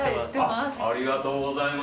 ありがとうございます。